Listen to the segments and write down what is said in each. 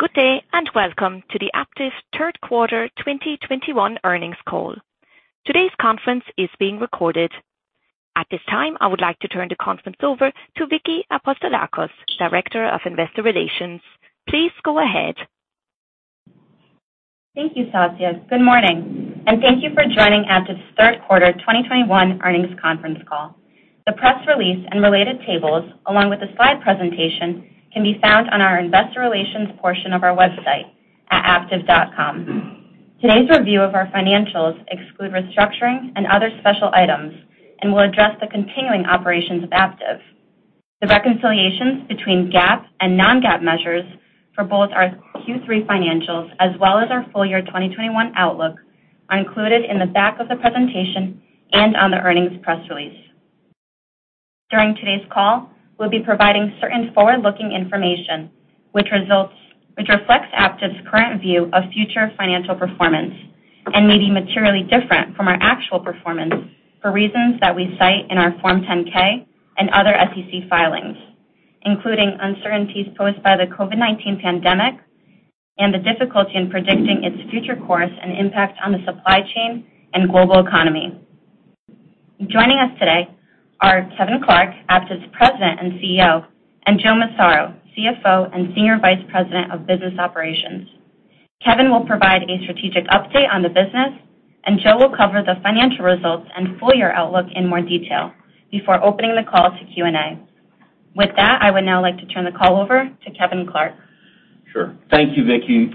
Good day, and welcome to the Aptiv Third Quarter 2021 earnings call. Today's conference is being recorded. At this time, I would like to turn the conference over to Vicky Apostolakos, Director of Investor Relations. Please go ahead. Thank you, Sasha. Good morning, and thank you for joining Aptiv's third quarter 2021 earnings conference call. The press release and related tables, along with the slide presentation, can be found on our investor relations portion of our website at aptiv.com. Today's review of our financials exclude restructuring and other special items and will address the continuing operations of Aptiv. The reconciliations between GAAP and non-GAAP measures for both our Q3 financials as well as our full year 2021 outlook are included in the back of the presentation and on the earnings press release. During today's call, we'll be providing certain forward-looking information which reflects Aptiv's current view of future financial performance and may be materially different from our actual performance for reasons that we cite in our Form 10-K and other SEC filings, including uncertainties posed by the COVID-19 pandemic and the difficulty in predicting its future course and impact on the supply chain and global economy. Joining us today are Kevin Clark, Aptiv's President and CEO, and Joe Massaro, CFO and Senior Vice President of Business Operations. Kevin will provide a strategic update on the business, and Joe will cover the financial results and full year outlook in more detail before opening the call to Q&A. With that, I would now like to turn the call over to Kevin Clark. Sure. Thank you, Vicky.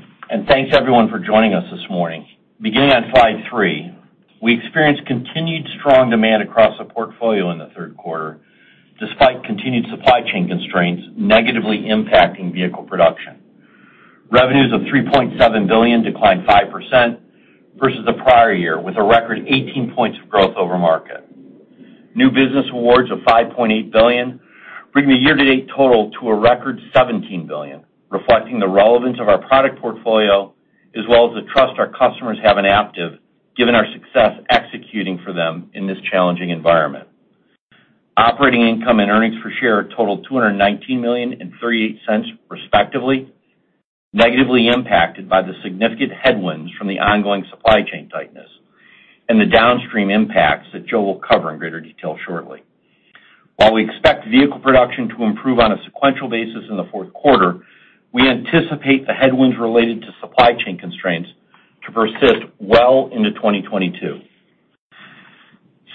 Thanks everyone for joining us this morning. Beginning on slide three, we experienced continued strong demand across the portfolio in the third quarter, despite continued supply chain constraints negatively impacting vehicle production. Revenues of $3.7 billion declined 5% versus the prior year, with a record 18 points of growth over market. New business awards of $5.8 billion, bringing the year-to-date total to a record $17 billion, reflecting the relevance of our product portfolio as well as the trust our customers have in Aptiv, given our success executing for them in this challenging environment. Operating income and earnings per share totaled $219 million and $0.38 respectively, negatively impacted by the significant headwinds from the ongoing supply chain tightness and the downstream impacts that Joe will cover in greater detail shortly. While we expect vehicle production to improve on a sequential basis in the fourth quarter, we anticipate the headwinds related to supply chain constraints to persist well into 2022.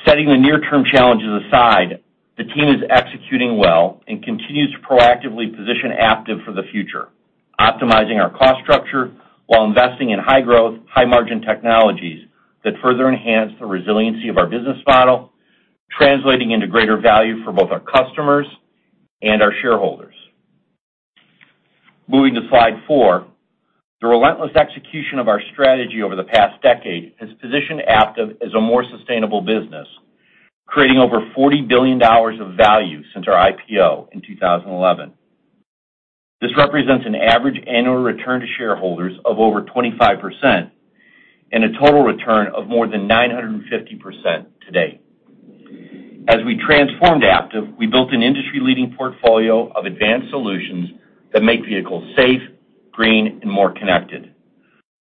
Setting the near-term challenges aside, the team is executing well and continues to proactively position Aptiv for the future, optimizing our cost structure while investing in high-growth, high-margin technologies that further enhance the resiliency of our business model, translating into greater value for both our customers and our shareholders. Moving to slide four. The relentless execution of our strategy over the past decade has positioned Aptiv as a more sustainable business, creating over $40 billion of value since our IPO in 2011. This represents an average annual return to shareholders of over 25% and a total return of more than 950% today. As we transformed Aptiv, we built an industry-leading portfolio of advanced solutions that make vehicles safe, green, and more connected.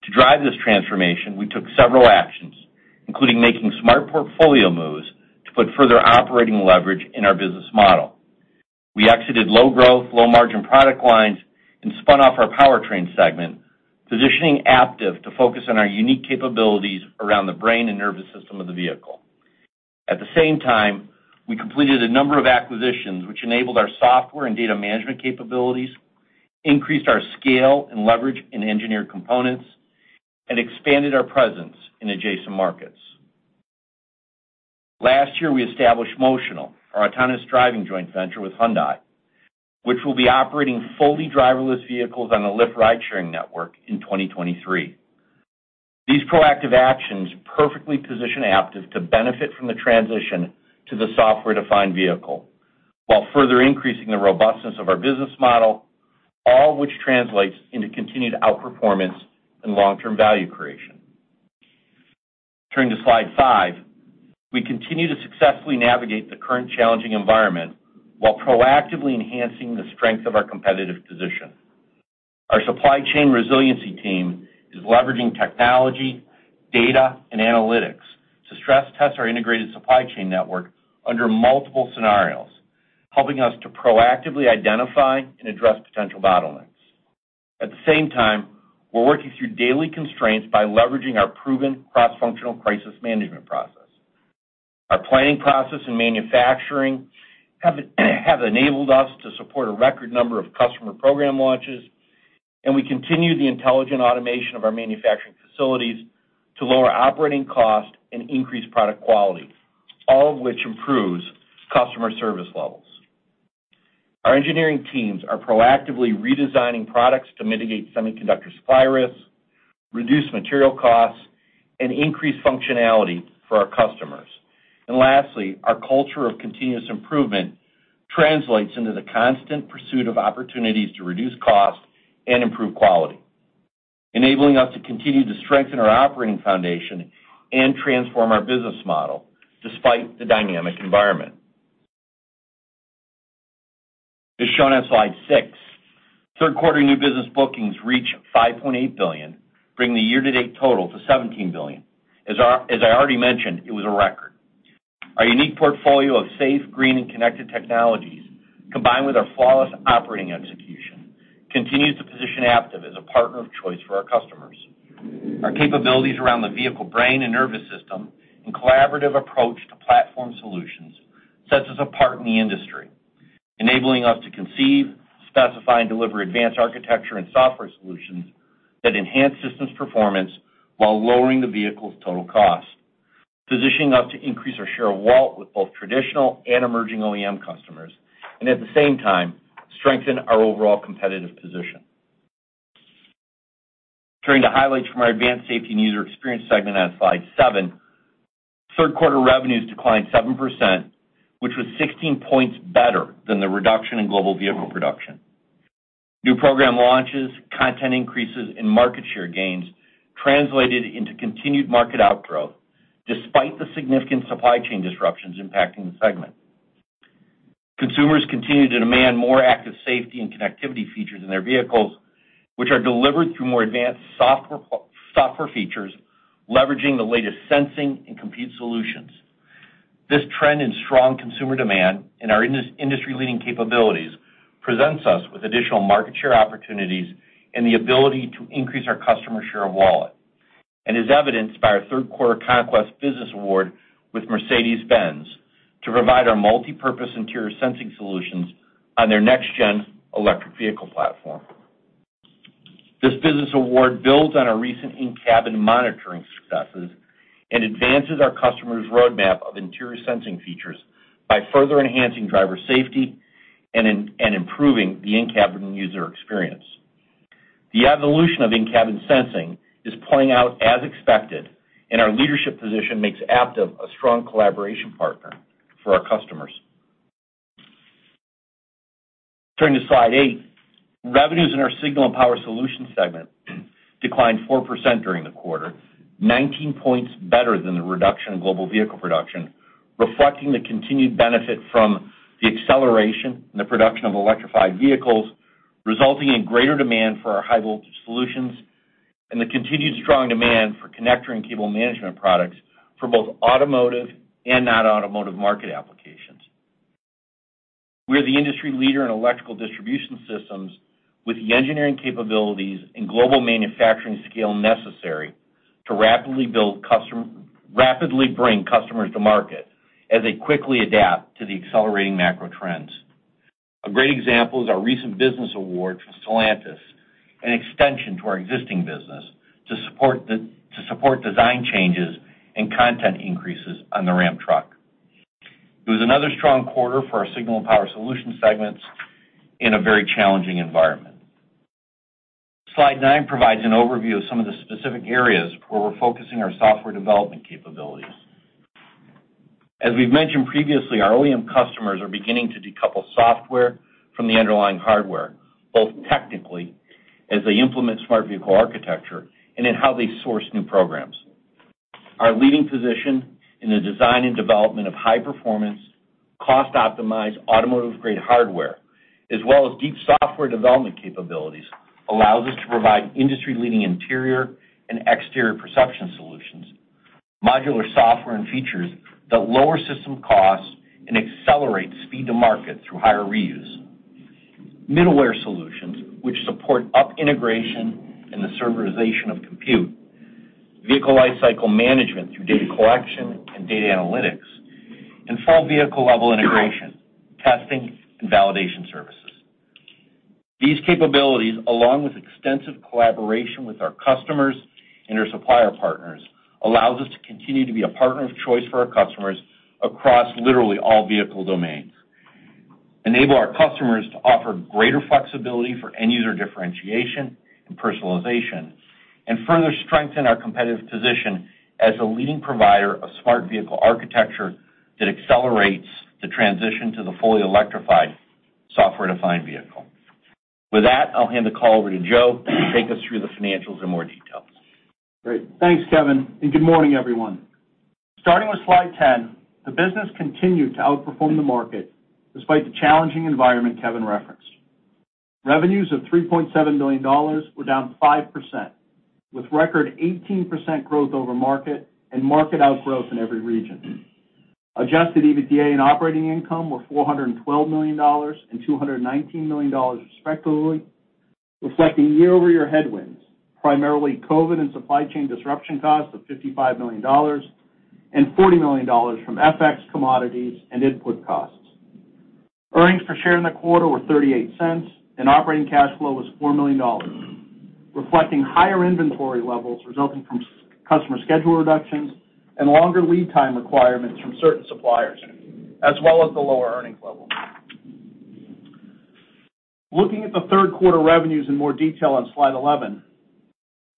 To drive this transformation, we took several actions, including making smart portfolio moves to put further operating leverage in our business model. We exited low-growth, low-margin product lines and spun off our powertrain segment, positioning Aptiv to focus on our unique capabilities around the brain and nervous system of the vehicle. At the same time, we completed a number of acquisitions which enabled our software and data management capabilities, increased our scale and leverage in engineered components, and expanded our presence in adjacent markets. Last year, we established Motional, our autonomous driving joint venture with Hyundai, which will be operating fully driverless vehicles on the Lyft ridesharing network in 2023. These proactive actions perfectly position Aptiv to benefit from the transition to the software-defined vehicle while further increasing the robustness of our business model, all which translates into continued outperformance and long-term value creation. Turning to slide five. We continue to successfully navigate the current challenging environment while proactively enhancing the strength of our competitive position. Our supply chain resiliency team is leveraging technology, data, and analytics to stress test our integrated supply chain network under multiple scenarios, helping us to proactively identify and address potential bottlenecks. At the same time, we're working through daily constraints by leveraging our proven cross-functional crisis management process. Our planning process and manufacturing have enabled us to support a record number of customer program launches, and we continue the intelligent automation of our manufacturing facilities to lower operating costs and increase product quality, all of which improves customer service levels. Our engineering teams are proactively redesigning products to mitigate semiconductor supply risks, reduce material costs, and increase functionality for our customers. Lastly, our culture of continuous improvement translates into the constant pursuit of opportunities to reduce costs and improve quality, enabling us to continue to strengthen our operating foundation and transform our business model despite the dynamic environment. As shown on slide six, third quarter new business bookings reached $5.8 billion, bringing the year-to-date total to $17 billion. As I already mentioned, it was a record. Our unique portfolio of safe, green and connected technologies, combined with our flawless operating execution, continues to position Aptiv as a partner of choice for our customers. Our capabilities around the vehicle brain and nervous system and collaborative approach to platform solutions sets us apart in the industry, enabling us to conceive, specify and deliver advanced architecture and software solutions that enhance systems performance while lowering the vehicle's total cost, positioning us to increase our share of wallet with both traditional and emerging OEM customers and at the same time, strengthen our overall competitive position. Turning to highlights from our Advanced Safety and User Experience segment on slide seven. Third quarter revenues declined 7%, which was 16 points better than the reduction in global vehicle production. New program launches, content increases and market share gains translated into continued market outgrowth despite the significant supply chain disruptions impacting the segment. Consumers continue to demand more active safety and connectivity features in their vehicles, which are delivered through more advanced software features leveraging the latest sensing and compute solutions. This trend in strong consumer demand and our industry-leading capabilities presents us with additional market share opportunities and the ability to increase our customer share of wallet. As evidenced by our third quarter conquest business award with Mercedes-Benz to provide our multipurpose interior sensing solutions on their next gen electric vehicle platform. This business award builds on our recent in-cabin monitoring successes and advances our customers roadmap of interior sensing features by further enhancing driver safety and improving the in-cabin user experience. The evolution of in-cabin sensing is playing out as expected, and our leadership position makes Aptiv a strong collaboration partner for our customers. Turning to slide eight. Revenues in our Signal and Power Solutions segment declined 4% during the quarter, 19 points better than the reduction in global vehicle production, reflecting the continued benefit from the acceleration in the production of electrified vehicles, resulting in greater demand for our high voltage solutions and the continued strong demand for connector and cable management products for both automotive and non-automotive market applications. We are the industry leader in Electrical Distribution Systems, with the engineering capabilities and global manufacturing scale necessary to rapidly bring customers to market as they quickly adapt to the accelerating macro trends. A great example is our recent business award for Stellantis, an extension to our existing business to support design changes and content increases on the Ram truck. It was another strong quarter for our Signal and Power Solutions segments in a very challenging environment. Slide nine provides an overview of some of the specific areas where we're focusing our software development capabilities. As we've mentioned previously, our OEM customers are beginning to decouple software from the underlying hardware, both technically as they implement Smart Vehicle Architecture and in how they source new programs. Our leading position in the design and development of high-performance, cost-optimized automotive-grade hardware as well as deep software development capabilities, allows us to provide industry-leading interior and exterior perception solutions, modular software and features that lower system costs and accelerate speed to market through higher reuse. Middleware solutions which support up integration and the serverization of compute, vehicle lifecycle management through data collection and data analytics, and full vehicle-level integration, testing and validation services. These capabilities, along with extensive collaboration with our customers and our supplier partners, allows us to continue to be a partner of choice for our customers across literally all vehicle domains, enable our customers to offer greater flexibility for end user differentiation and personalization, and further strengthen our competitive position as a leading provider of Smart Vehicle Architecture that accelerates the transition to the fully electrified software-defined vehicle. With that, I'll hand the call over to Joe to take us through the financials in more detail. Great. Thanks, Kevin, and good morning, everyone. Starting with slide 10, the business continued to outperform the market despite the challenging environment Kevin referenced. Revenues of $3.7 billion were down 5%, with record 18% growth over market and market outgrowth in every region. Adjusted EBITDA and operating income were $412 million and $219 million, respectively, reflecting year-over-year headwinds, primarily COVID and supply chain disruption costs of $55 million and $40 million from FX commodities and input costs. Earnings per share in the quarter were $0.38 and operating cash flow was $4 million, reflecting higher inventory levels resulting from customer schedule reductions and longer lead time requirements from certain suppliers, as well as the lower earnings level. Looking at the third quarter revenues in more detail on slide 11,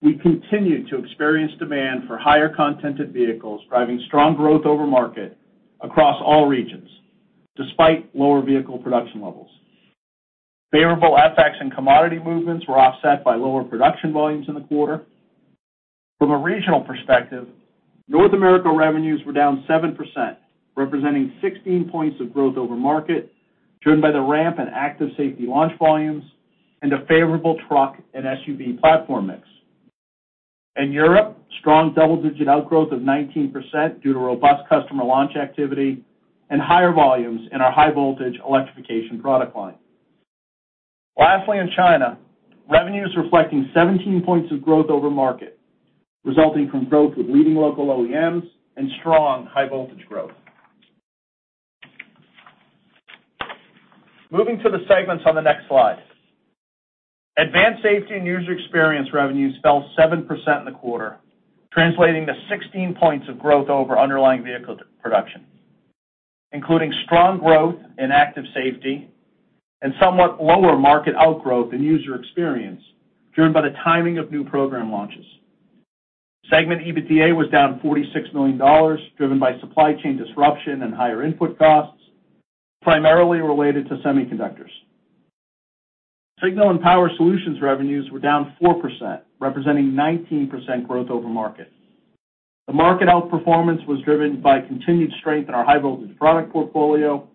we continue to experience demand for higher content vehicles, driving strong growth over market across all regions. Despite lower vehicle production levels. Favorable FX and commodity movements were offset by lower production volumes in the quarter. From a regional perspective, North America revenues were down 7%, representing 16 points of growth over market, driven by the ramp in Active Safety launch volumes and a favorable truck and SUV platform mix. In Europe, strong double-digit outgrowth of 19% due to robust customer launch activity and higher volumes in our high voltage electrification product line. Lastly, in China, revenues reflecting 17 points of growth over market, resulting from growth with leading local OEMs and strong high voltage growth. Moving to the segments on the next slide. Advanced Safety and User Experience revenues fell 7% in the quarter, translating to 16 points of growth over underlying vehicle production, including strong growth in Active Safety and somewhat lower market outgrowth in User Experience, driven by the timing of new program launches. Segment EBITDA was down $46 million, driven by supply chain disruption and higher input costs, primarily related to semiconductors. Signal and Power Solutions revenues were down 4%, representing 19% growth over market. The market outperformance was driven by continued strength in our high voltage product portfolio,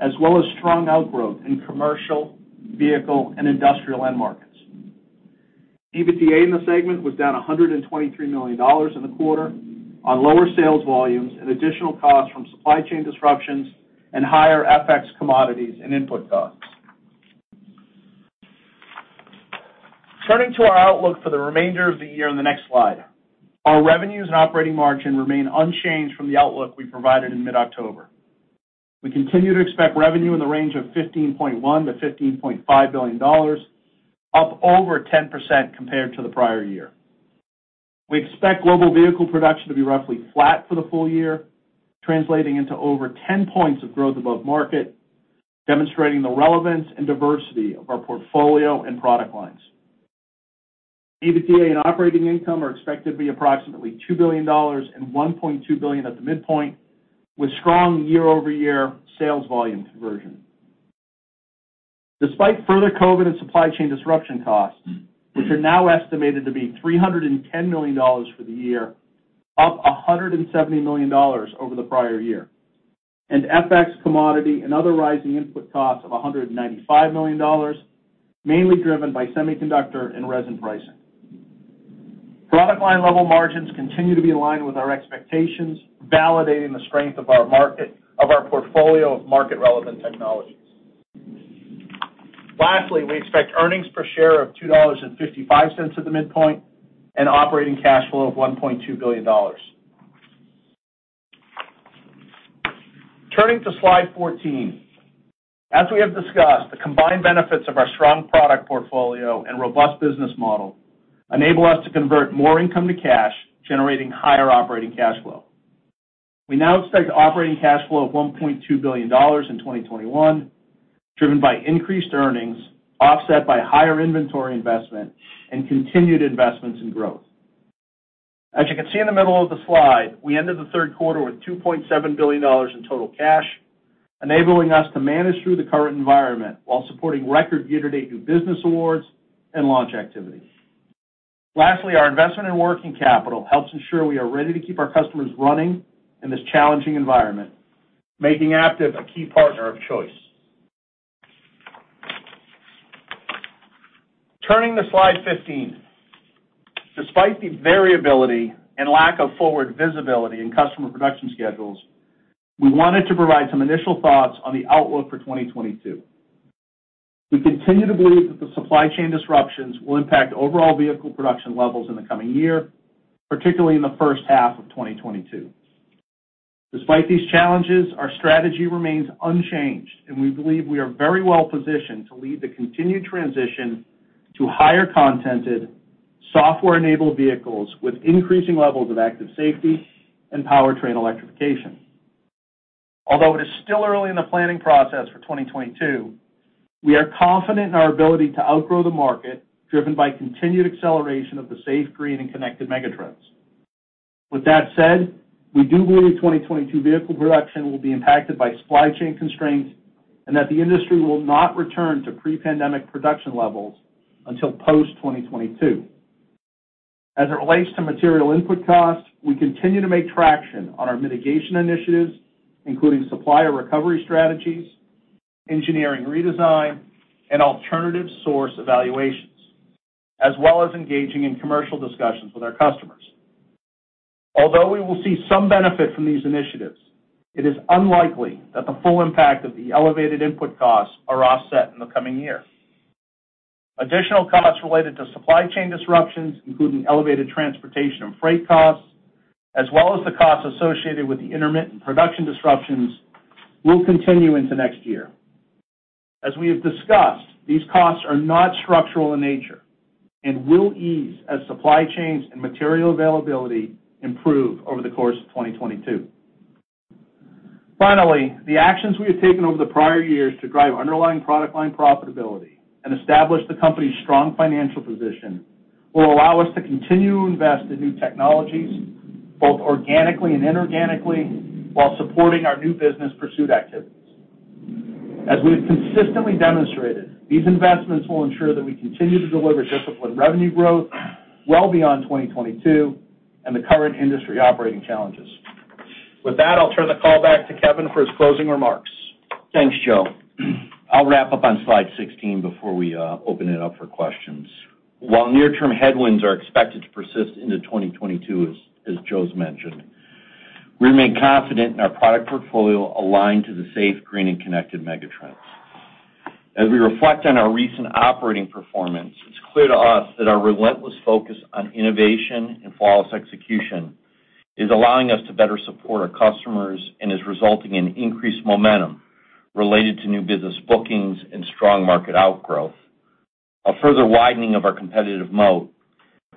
as well as strong outgrowth in commercial, vehicle, and industrial end markets. EBITDA in the segment was down $123 million in the quarter on lower sales volumes and additional costs from supply chain disruptions and higher FX commodities and input costs. Turning to our outlook for the remainder of the year on the next slide. Our revenues and operating margin remain unchanged from the outlook we provided in mid-October. We continue to expect revenue in the range of $15.1 billion-$15.5 billion, up over 10% compared to the prior year. We expect global vehicle production to be roughly flat for the full year, translating into over 10 points of growth above market, demonstrating the relevance and diversity of our portfolio and product lines. EBITDA and operating income are expected to be approximately $2 billion and $1.2 billion at the midpoint, with strong year-over-year sales volume conversion. Despite further COVID and supply chain disruption costs, which are now estimated to be $310 million for the year, up $170 million over the prior year, and FX commodity and other rising input costs of $195 million, mainly driven by semiconductor and resin pricing. Product line level margins continue to be in line with our expectations, validating the strength of our market, of our portfolio of market-relevant technologies. Lastly, we expect earnings per share of $2.55 at the midpoint and operating cash flow of $1.2 billion. Turning to slide 14. As we have discussed, the combined benefits of our strong product portfolio and robust business model enable us to convert more income to cash, generating higher operating cash flow. We now expect operating cash flow of $1.2 billion in 2021, driven by increased earnings, offset by higher inventory investment and continued investments in growth. As you can see in the middle of the slide, we ended the third quarter with $2.7 billion in total cash, enabling us to manage through the current environment while supporting record year-to-date new business awards and launch activity. Lastly, our investment in working capital helps ensure we are ready to keep our customers running in this challenging environment, making Aptiv a key partner of choice. Turning to slide 15. Despite the variability and lack of forward visibility in customer production schedules, we wanted to provide some initial thoughts on the outlook for 2022. We continue to believe that the supply chain disruptions will impact overall vehicle production levels in the coming year, particularly in the first half of 2022. Despite these challenges, our strategy remains unchanged, and we believe we are very well positioned to lead the continued transition to higher-content software-enabled vehicles with increasing levels of active safety and powertrain electrification. Although it is still early in the planning process for 2022, we are confident in our ability to outgrow the market, driven by continued acceleration of the safe, green, and connected megatrends. With that said, we do believe 2022 vehicle production will be impacted by supply chain constraints and that the industry will not return to pre-pandemic production levels until post-2022. As it relates to material input costs, we continue to make traction on our mitigation initiatives, including supplier recovery strategies, engineering redesign, and alternative source evaluations, as well as engaging in commercial discussions with our customers. Although we will see some benefit from these initiatives, it is unlikely that the full impact of the elevated input costs are offset in the coming year. Additional costs related to supply chain disruptions, including elevated transportation and freight costs, as well as the costs associated with the intermittent production disruptions will continue into next year. As we have discussed, these costs are not structural in nature and will ease as supply chains and material availability improve over the course of 2022. Finally, the actions we have taken over the prior years to drive underlying product line profitability and establish the company's strong financial position will allow us to continue to invest in new technologies. Both organically and inorganically while supporting our new business pursuit activities. As we've consistently demonstrated, these investments will ensure that we continue to deliver disciplined revenue growth well beyond 2022 and the current industry operating challenges. With that, I'll turn the call back to Kevin for his closing remarks. Thanks, Joe. I'll wrap up on slide 16 before we open it up for questions. While near-term headwinds are expected to persist into 2022, as Joe's mentioned, we remain confident in our product portfolio aligned to the safe, green, and connected megatrends. As we reflect on our recent operating performance, it's clear to us that our relentless focus on innovation and flawless execution is allowing us to better support our customers and is resulting in increased momentum related to new business bookings and strong market outgrowth, a further widening of our competitive moat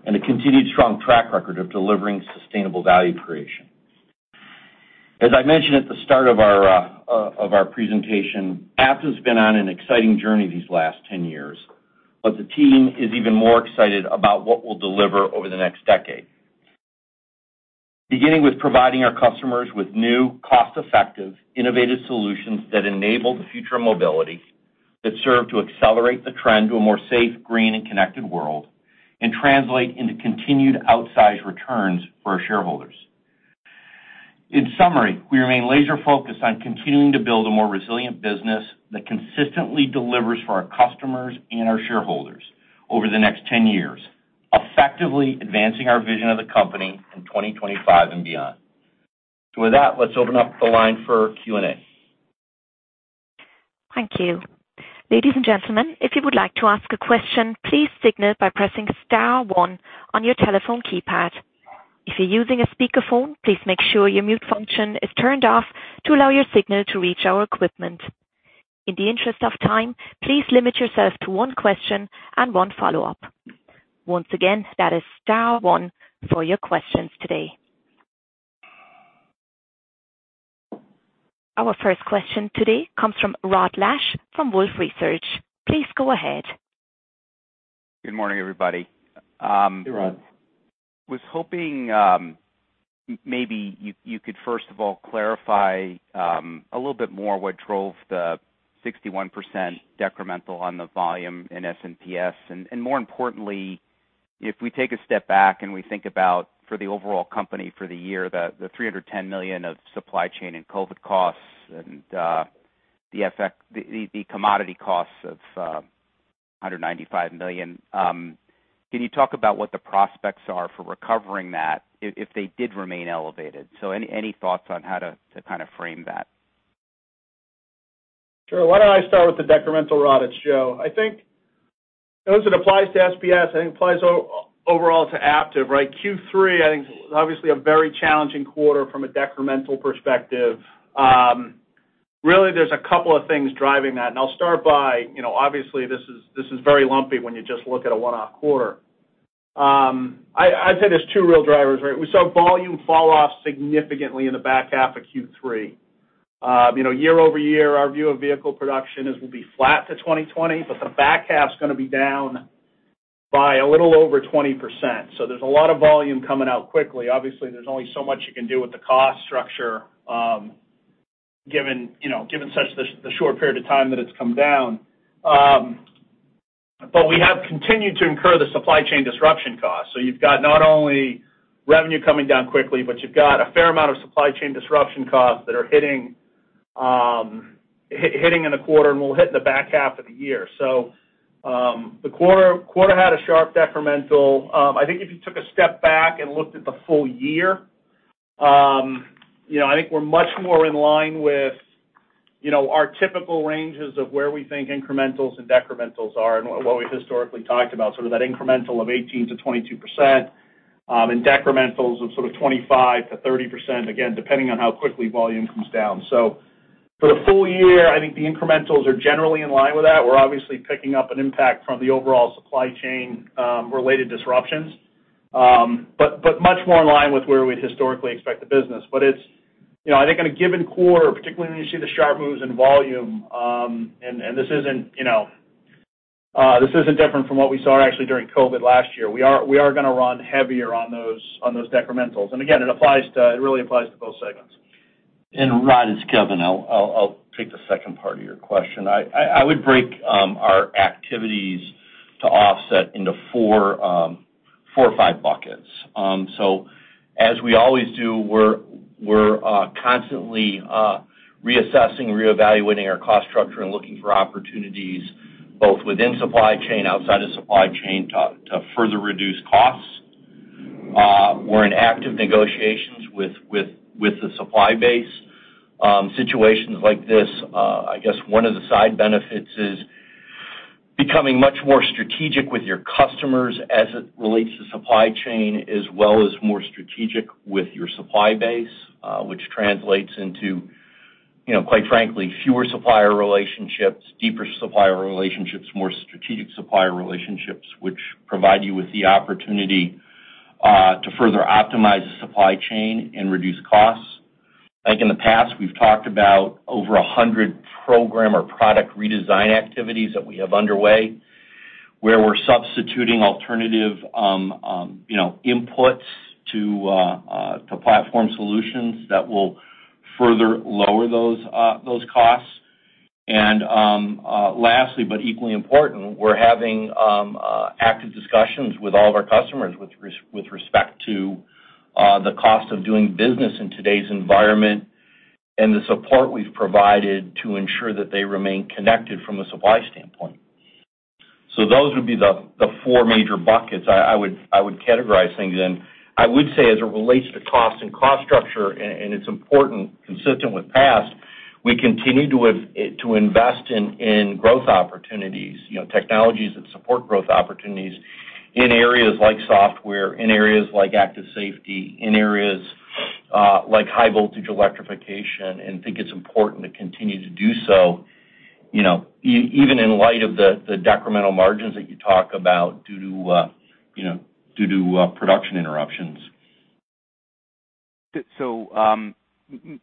and a continued strong track record of delivering sustainable value creation. As I mentioned at the start of our presentation, Aptiv's been on an exciting journey these last 10 years, but the team is even more excited about what we'll deliver over the next decade. Beginning with providing our customers with new, cost-effective, innovative solutions that enable the future of mobility, that serve to accelerate the trend to a more safe, green, and connected world, and translate into continued outsized returns for our shareholders. In summary, we remain laser-focused on continuing to build a more resilient business that consistently delivers for our customers and our shareholders over the next 10 years, effectively advancing our vision of the company in 2025 and beyond. With that, let's open up the line for Q&A. Thank you. Ladies and gentlemen, if you would like to ask a question, please signal by pressing star one on your telephone keypad. If you're using a speakerphone, please make sure your mute function is turned off to allow your signal to reach our equipment. In the interest of time, please limit yourself to one question and one follow-up. Once again, that is star one for your questions today. Our first question today comes from Rod Lache from Wolfe Research. Please go ahead. Good morning, everybody. Hey, Rod. Was hoping maybe you could first of all clarify a little bit more what drove the 61% decremental on the volume in SPS. More importantly, if we take a step back and we think about for the overall company for the year, the $310 million of supply chain and COVID costs and the commodity costs of $195 million, can you talk about what the prospects are for recovering that if they did remain elevated? Any thoughts on how to kinda frame that? Sure. Why don't I start with the decremental, Rod? It's Joe. I think as it applies to SPS, it applies overall to Aptiv, right? Q3, I think obviously a very challenging quarter from a decremental perspective. Really there's a couple of things driving that, and I'll start by you know obviously this is very lumpy when you just look at a one-off quarter. I'd say there's two real drivers, right? We saw volume fall off significantly in the back half of Q3. You know, year-over-year, our view of vehicle production will be flat to 2020, but the back half's gonna be down by a little over 20%. There's a lot of volume coming out quickly. Obviously, there's only so much you can do with the cost structure, given, you know, given the short period of time that it's come down. We have continued to incur the supply chain disruption costs. You've got not only revenue coming down quickly, but you've got a fair amount of supply chain disruption costs that are hitting in the quarter and will hit in the back half of the year. The quarter had a sharp decremental. I think if you took a step back and looked at the full year, you know, I think we're much more in line with, you know, our typical ranges of where we think incrementals and decrementals are and what we've historically talked about, sort of that incremental of 18%-22%, and decrementals of sort of 25%-30%, again, depending on how quickly volume comes down. For the full year, I think the incrementals are generally in line with that. We're obviously picking up an impact from the overall supply chain related disruptions. But much more in line with where we'd historically expect the business. It's, you know, I think in a given quarter, particularly when you see the sharp moves in volume, and this isn't, you know, different from what we saw actually during COVID last year. We are gonna run heavier on those decrementals. Again, it really applies to both segments. Rod, it's Kevin. I'll take the second part of your question. I would break our activities to offset into four or five buckets. As we always do, we're constantly reassessing, reevaluating our cost structure and looking for opportunities both within supply chain, outside of supply chain, to further reduce costs. We're in active negotiations with the supply base. Situations like this, I guess one of the side benefits is becoming much more strategic with your customers as it relates to supply chain, as well as more strategic with your supply base, which translates into, you know, quite frankly, fewer supplier relationships, deeper supplier relationships, more strategic supplier relationships, which provide you with the opportunity to further optimize the supply chain and reduce costs. Like in the past, we've talked about over 100 program or product redesign activities that we have underway, where we're substituting alternative, you know, inputs to platform solutions that will further lower those costs. Lastly, but equally important, we're having active discussions with all of our customers with respect to the cost of doing business in today's environment and the support we've provided to ensure that they remain connected from a supply standpoint. Those would be the four major buckets I would categorize things in. I would say as it relates to cost and cost structure, and it's important consistent with past, we continue to invest in growth opportunities, you know, technologies that support growth opportunities in areas like software, in areas like Active Safety, in areas like high voltage electrification, and think it's important to continue to do so, you know, even in light of the decremental margins that you talk about due to, you know, due to production interruptions.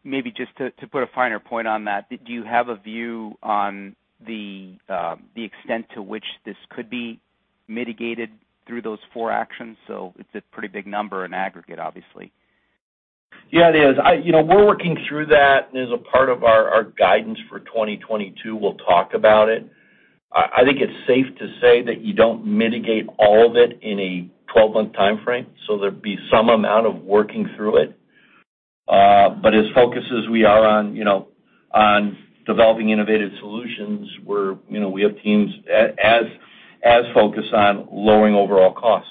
Maybe just to put a finer point on that, do you have a view on the extent to which this could be mitigated through those four actions? It's a pretty big number in aggregate, obviously. Yeah, it is. You know, we're working through that. As a part of our guidance for 2022, we'll talk about it. I think it's safe to say that you don't mitigate all of it in a 12-month timeframe, so there'd be some amount of working through it. As focused as we are on, you know, on developing innovative solutions, you know, we have teams as focused on lowering overall cost.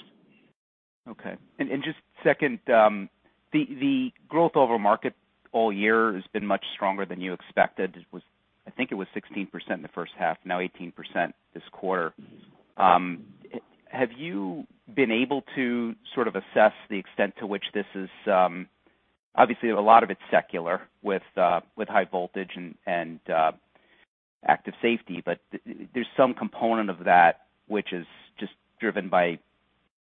Okay. Just second, the growth over market all year has been much stronger than you expected. I think it was 16% in the first half, now 18% this quarter. Have you been able to sort of assess the extent to which this is obviously a lot of it's secular with high voltage and Active Safety, but there's some component of that which is just driven by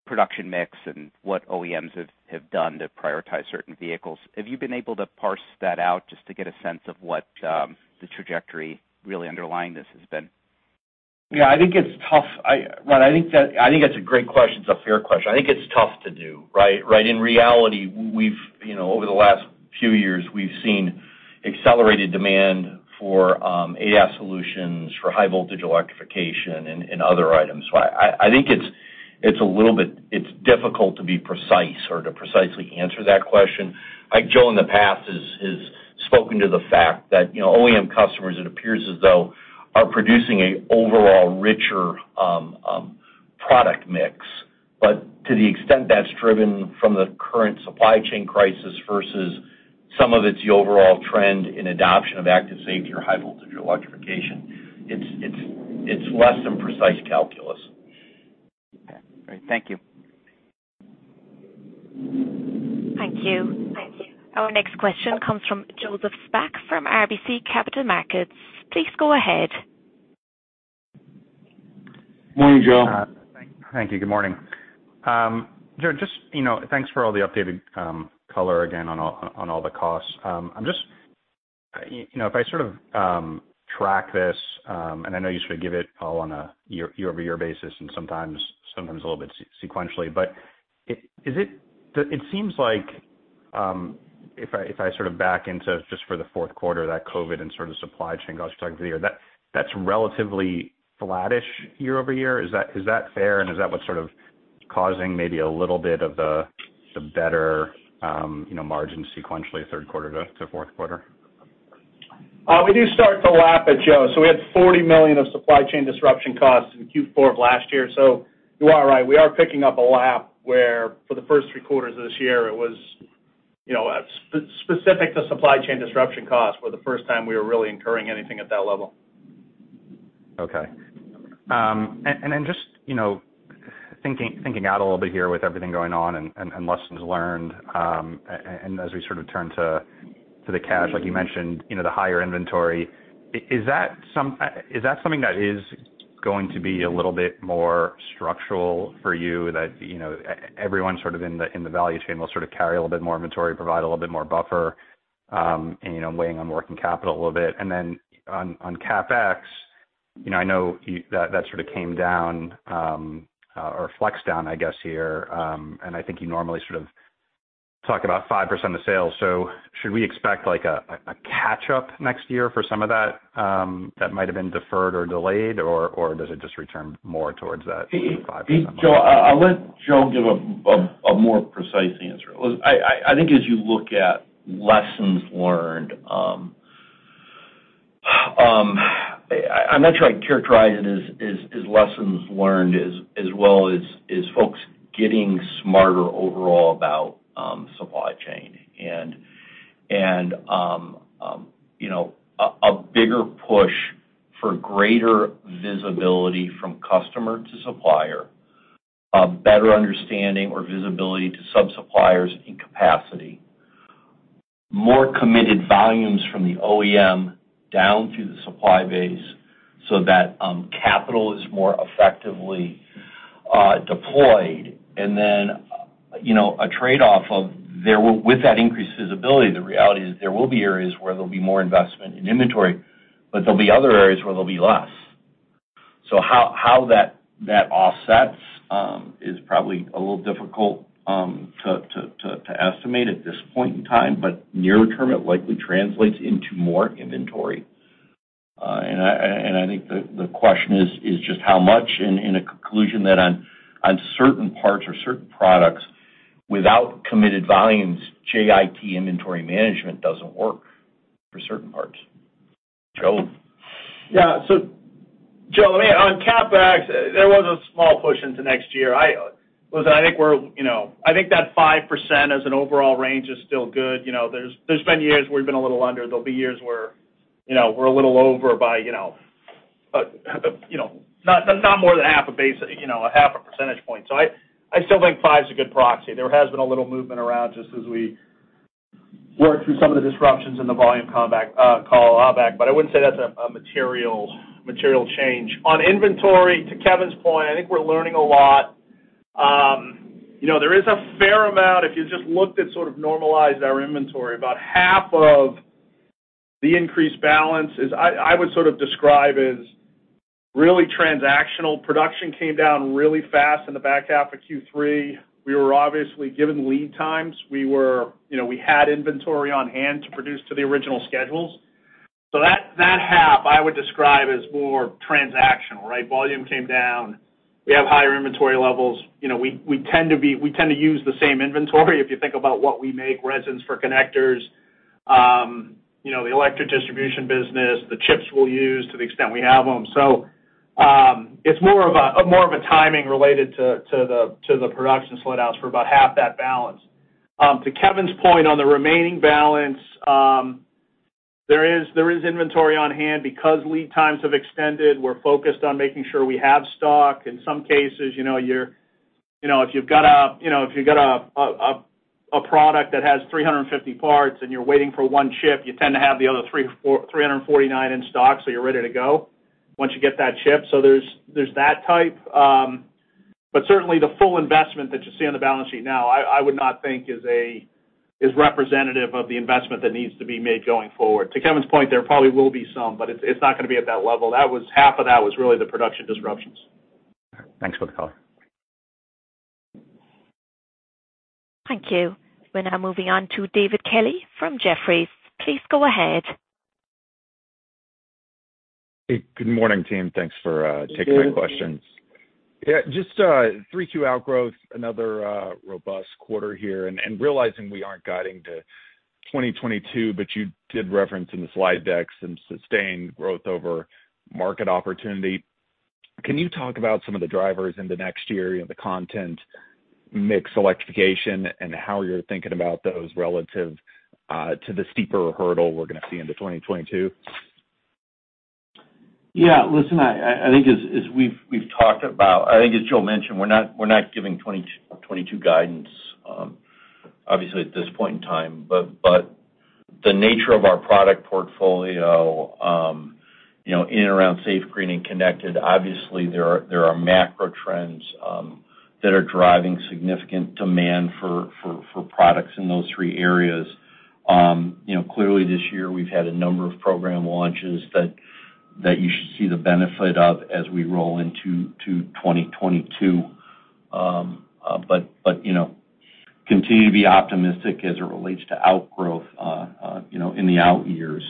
production mix and what OEMs have done to prioritize certain vehicles. Have you been able to parse that out just to get a sense of what the trajectory really underlying this has been? Yeah, I think it's tough. Well, I think that's a great question. It's a fair question. I think it's tough to do, right? In reality, we've, you know, over the last few years, we've seen accelerated demand for AS solutions, for high voltage electrification and other items. I think it's difficult to be precise or to precisely answer that question. I think Joe in the past has spoken to the fact that, you know, OEM customers, it appears as though, are producing an overall richer product mix. But to the extent that's driven from the current supply chain crisis versus some of it's the overall trend in adoption of active safety or high voltage electrification, it's less than precise calculus. Okay. All right. Thank you. Thank you. Our next question comes from Joseph Spak from RBC Capital Markets. Please go ahead. Morning, Joe. Thank you. Good morning. Joe, just, you know, thanks for all the updated color again on all the costs. You know, if I sort of track this, and I know you sort of give it all on a year-over-year basis and sometimes a little bit sequentially, but is it. It seems like, if I sort of back into just for the fourth quarter, that COVID and sort of supply chain costs you talked earlier, that's relatively flattish year-over-year. Is that fair, and is that what's sort of causing maybe a little bit of the better, you know, margin sequentially third quarter to fourth quarter? We do start the lap at Joe. We had $40 million of supply chain disruption costs in Q4 of last year. You are right. We are picking up a lap where for the first three quarters of this year it was, you know, specific to supply chain disruption costs were the first time we were really incurring anything at that level. Okay. Just, you know, thinking out a little bit here with everything going on and lessons learned, and as we sort of turn to the cash, like you mentioned, you know, the higher inventory, is that something that is going to be a little bit more structural for you that, you know, everyone sort of in the value chain will sort of carry a little bit more inventory, provide a little bit more buffer, and, you know, weighing on working capital a little bit. On CapEx, you know, I know that that sort of came down, or flex down, I guess, here. I think you normally sort of talk about 5% of sales. Should we expect like a catch up next year for some of that that might have been deferred or delayed, or does it just return more towards that 5% mark? Joe, I'll let Joe give a more precise answer. Listen, I think as you look at lessons learned, I'm not sure I'd characterize it as lessons learned as well as folks getting smarter overall about supply chain and you know, a bigger push for greater visibility from customer to supplier, a better understanding or visibility to sub-suppliers and capacity, more committed volumes from the OEM down through the supply base. That capital is more effectively deployed. Then, you know, with that increased visibility, the reality is there will be areas where there'll be more investment in inventory, but there'll be other areas where there'll be less. How that offsets is probably a little difficult to estimate at this point in time. Near term, it likely translates into more inventory. I think the question is just how much. In conclusion, on certain parts or certain products without committed volumes, JIT inventory management doesn't work for certain parts. Joe? Joe, I mean, on CapEx, there was a small push into next year. Listen, I think we're, you know, I think that 5% as an overall range is still good. You know, there's been years where we've been a little under. There'll be years where, you know, we're a little over by, you know, not more than half a basis, you know, a. 05% point. I still think five is a good proxy. There has been a little movement around just as we work through some of the disruptions in the volume comeback, but I wouldn't say that's a material change. On inventory, to Kevin's point, I think we're learning a lot. You know, there is a fair amount if you just looked at sort of normalized our inventory. About half of the increased balance is, I would sort of describe as really transactional. Production came down really fast in the back half of Q3. We were obviously given lead times. We were, you know, we had inventory on hand to produce to the original schedules. That half I would describe as more transactional, right? Volume came down. We have higher inventory levels. You know, we tend to use the same inventory if you think about what we make, resins for connectors, you know, the electric distribution business, the chips we'll use to the extent we have them. It's more of a timing related to the production slowdowns for about half that balance. To Kevin's point on the remaining balance, there is inventory on hand because lead times have extended. We're focused on making sure we have stock. In some cases, you know, if you've got a product that has 350 parts and you're waiting for one chip, you tend to have the other 349 in stock, so you're ready to go once you get that chip. There's that type. Certainly the full investment that you see on the balance sheet now, I would not think is representative of the investment that needs to be made going forward. To Kevin's point, there probably will be some, but it's not gonna be at that level. That was half of that was really the production disruptions. Thanks for the call. Thank you. We're now moving on to David Kelley from Jefferies. Please go ahead. Hey, good morning, team. Thanks for taking my questions. Good morning. Yeah, just 3Q outgrowth, another robust quarter here, and realizing we aren't guiding to 2022, but you did reference in the slide deck some sustained growth over market opportunity. Can you talk about some of the drivers into next year, you know, the content, mix electrification, and how you're thinking about those relative to the steeper hurdle we're gonna see into 2022? Listen, I think as we've talked about, I think as Joe mentioned, we're not giving 2022 guidance, obviously at this point in time. The nature of our product portfolio, you know, in and around safe, green, and connected, obviously there are macro trends that are driving significant demand for products in those three areas. You know, clearly this year we've had a number of program launches that you should see the benefit of as we roll into 2022. You know, continue to be optimistic as it relates to outgrowth, you know, in the out years,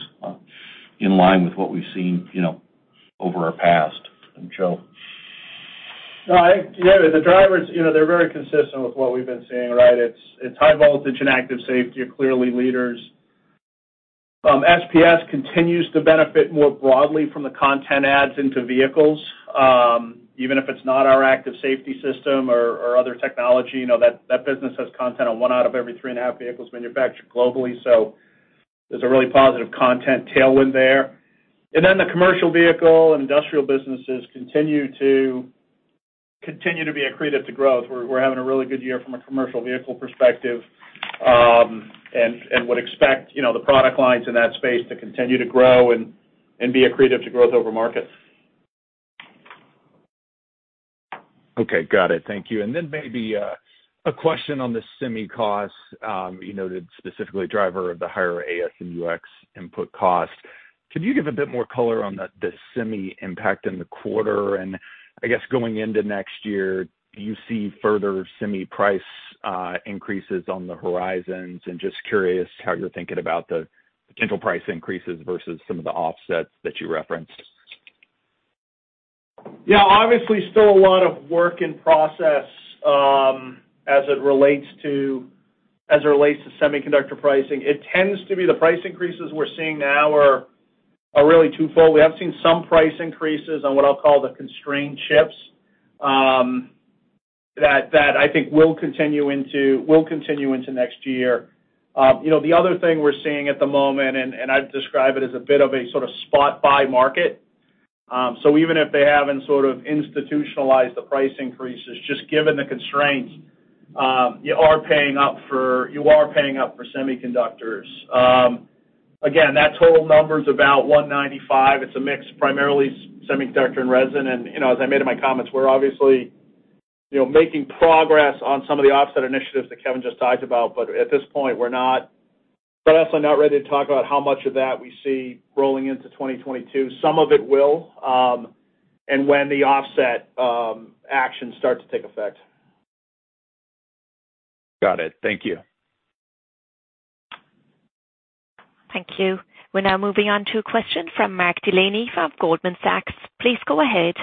in line with what we've seen, you know, over our past. Joe. No, I think, yeah, the drivers, you know, they're very consistent with what we've been seeing, right? It's high voltage and Active Safety are clearly leaders. SPS continues to benefit more broadly from the content adds into vehicles. Even if it's not our Active Safety system or other technology, you know, that business has content on one out of every 3.5 vehicles manufactured globally. So there's a really positive content tailwind there. The commercial vehicle and industrial businesses continue to be accretive to growth. We're having a really good year from a commercial vehicle perspective and would expect, you know, the product lines in that space to continue to grow and be accretive to growth over markets. Okay. Got it. Thank you. Then maybe a question on the semi costs. You noted specifically driver of the higher AS and UX input cost. Could you give a bit more color on the semi impact in the quarter? I guess going into next year, do you see further semi-price increases on the horizons? Just curious how you're thinking about the potential price increases versus some of the offsets that you referenced. Yeah, obviously still a lot of work in process, as it relates to semiconductor pricing. It tends to be the price increases we're seeing now are really twofold. We have seen some price increases on what I'll call the constrained chips, that I think will continue into next year. You know, the other thing we're seeing at the moment, and I'd describe it as a bit of a sort of spot buy market. So even if they haven't sort of institutionalized the price increases, just given the constraints You are paying up for semiconductors. Again, that total number is about $195. It's a mix, primarily semiconductor and resin. You know, as I made in my comments, we're obviously, you know, making progress on some of the offset initiatives that Kevin just talked about. But at this point, we're not but also not ready to talk about how much of that we see rolling into 2022. Some of it will, and when the offset actions start to take effect. Got it. Thank you. Thank you. We're now moving on to a question from Mark Delaney from Goldman Sachs. Please go ahead.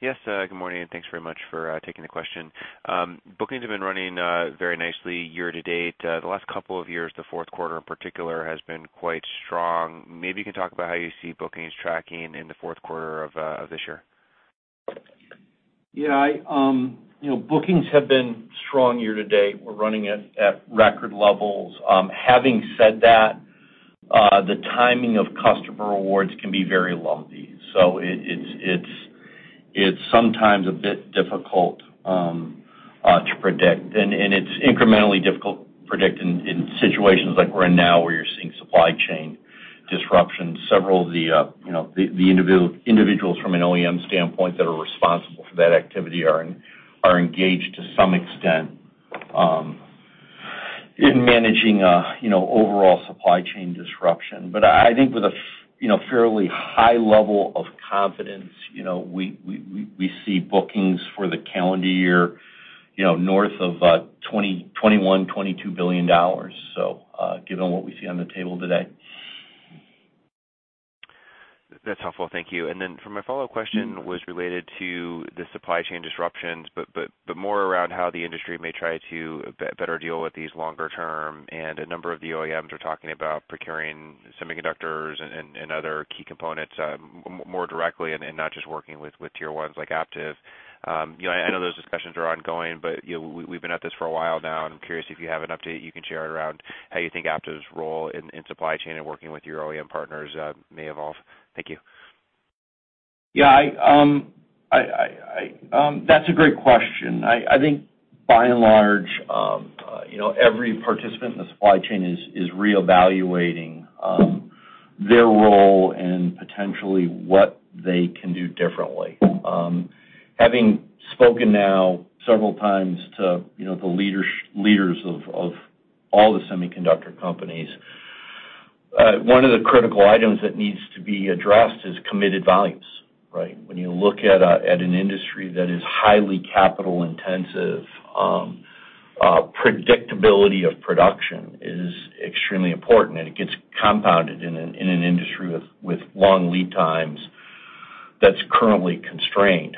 Yes, good morning, and thanks very much for taking the question. Bookings have been running very nicely year-to-date. The last couple of years, the fourth quarter in particular has been quite strong. Maybe you can talk about how you see bookings tracking in the fourth quarter of this year. Yeah, you know, bookings have been strong year-to-date. We're running at record levels. Having said that, the timing of customer awards can be very lumpy. It's sometimes a bit difficult to predict, and it's incrementally difficult to predict in situations like we're in now, where you're seeing supply chain disruption. Several of the individuals from an OEM standpoint that are responsible for that activity are engaged to some extent in managing overall supply chain disruption. I think with a fairly high level of confidence, you know, we see bookings for the calendar year north of $21 billion-$22 billion, given what we see on the table today. That's helpful. Thank you. For my follow question was related to the supply chain disruptions, but more around how the industry may try to better deal with these longer term, and a number of the OEMs are talking about procuring semiconductors and other key components more directly and not just working with tier ones like Aptiv. You know, I know those discussions are ongoing, you know, we've been at this for a while now, and I'm curious if you have an update you can share around how you think Aptiv's role in supply chain and working with your OEM partners may evolve. Thank you. Yeah, that's a great question. I think by and large, you know, every participant in the supply chain is reevaluating their role and potentially what they can do differently. Having spoken now several times to, you know, the leaders of all the semiconductor companies, one of the critical items that needs to be addressed is committed volumes, right? When you look at an industry that is highly capital intensive, predictability of production is extremely important, and it gets compounded in an industry with long lead times that's currently constrained.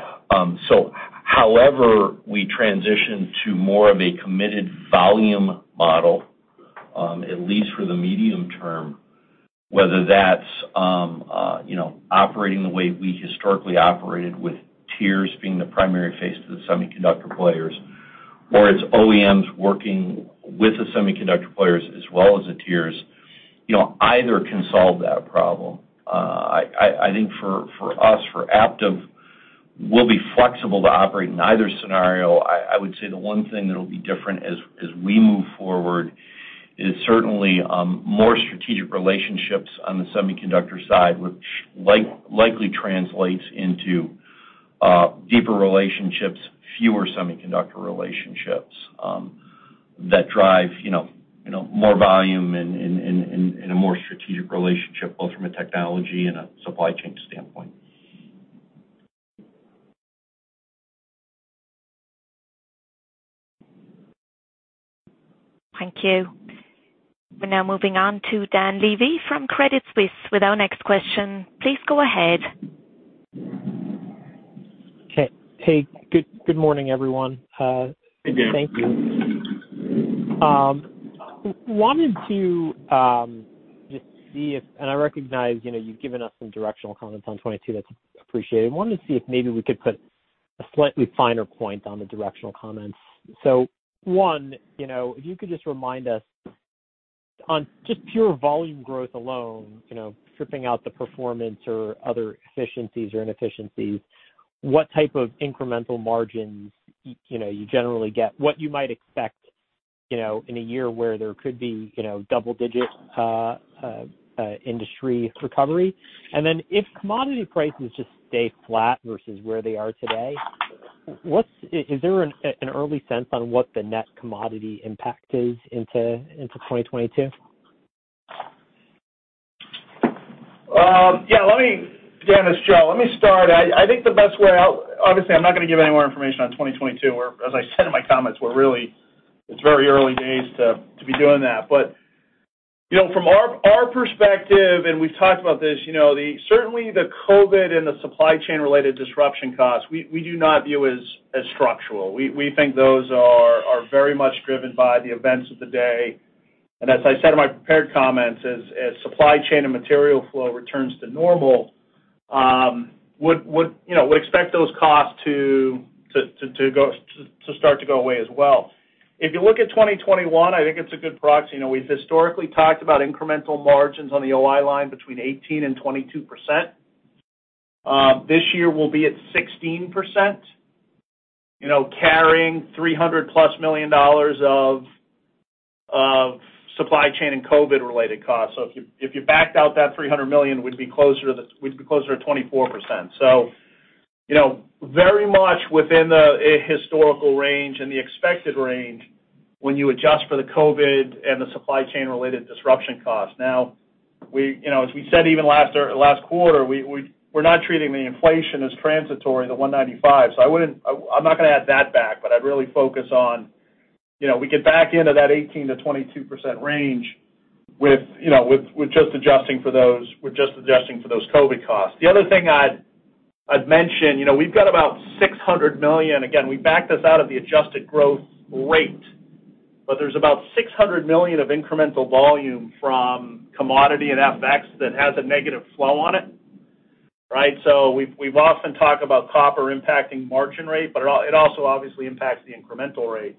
However we transition to more of a committed volume model, at least for the medium term, whether that's you know, operating the way we historically operated with tiers being the primary face to the semiconductor players, or it's OEMs working with the semiconductor players as well as the tiers, you know, either can solve that problem. I think for us, for Aptiv, we'll be flexible to operate in either scenario. I would say the one thing that'll be different as we move forward is certainly more strategic relationships on the semiconductor side, which likely translates into deeper relationships, fewer semiconductor relationships that drive, you know, more volume and a more strategic relationship, both from a technology and a supply chain standpoint. Thank you. We're now moving on to Dan Levy from Credit Suisse with our next question. Please go ahead. Okay. Hey, good morning, everyone. Good day. Thank you. Wanted to just see if I recognize, you know, you've given us some directional comments on 2022. That's appreciated. Wanted to see if maybe we could put a slightly finer point on the directional comments. One, you know, if you could just remind us on just pure volume growth alone, you know, stripping out the performance or other efficiencies or inefficiencies, what type of incremental margins, you know, you generally get, what you might expect, you know, in a year where there could be, you know, double-digit industry recovery. If commodity prices just stay flat versus where they are today, is there an early sense on what the net commodity impact is into 2022? Again, it's Joe. Let me start. I think the best way obviously I'm not gonna give any more information on 2022, where, as I said in my comments, it's very early days to be doing that. You know, from our perspective, and we've talked about this, you know, certainly the COVID and the supply chain related disruption costs we do not view as structural. We think those are very much driven by the events of the day. As I said in my prepared comments, as supply chain and material flow returns to normal, would expect those costs to start to go away as well. If you look at 2021, I think it's a good proxy. You know, we've historically talked about incremental margins on the OI line between 18% and 22%. This year we'll be at 16%, you know, carrying $300+ million of supply chain and COVID-related costs. So if you backed out that $300 million, we'd be closer to 24%. So, you know, very much within a historical range and the expected range when you adjust for the COVID and the supply-chain-related disruption costs. Now, you know, as we said, even last quarter, we're not treating the inflation as transitory, the 195. I'm not gonna add that back, but I'd really focus on we get back into that 18%-22% range with just adjusting for those COVID costs. The other thing I'd mention, we've got about $600 million. Again, we backed this out of the adjusted growth rate, but there's about $600 million of incremental volume from commodity and FX that has a negative flow on it, right? We've often talked about copper impacting margin rate, but it also obviously impacts the incremental rate.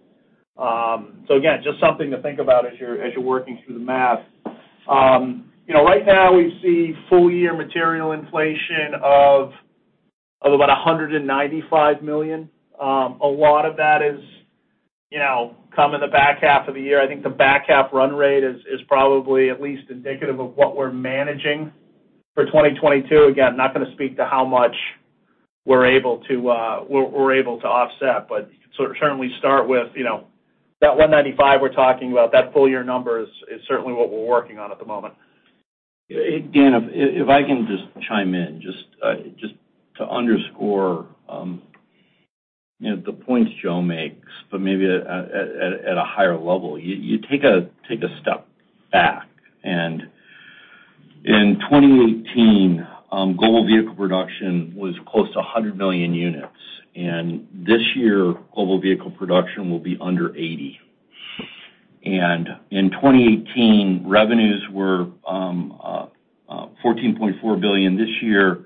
Just something to think about as you're working through the math. Right now we see full-year material inflation of about $195 million. A lot of that is, you know, come in the back half of the year. I think the back half run rate is probably at least indicative of what we're managing for 2022. Again, not gonna speak to how much we're able to offset, but certainly start with, you know, that $195 we're talking about, that full year number is certainly what we're working on at the moment. Dan, if I can just chime in just to underscore, you know, the points Joe makes, but maybe at a higher level. You take a step back and in 2018, global vehicle production was close to 100 million units, and this year global vehicle production will be under 80 million. In 2018 revenues were $14.4 billion. This year